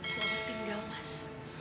selamat tinggal mas